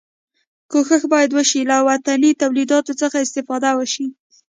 کوښښ باید وشي له وطني تولیداتو څخه استفاده وشي.